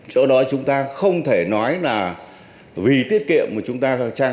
chỗ đó chúng ta không thể nói là vì tiết kiệm của chúng ta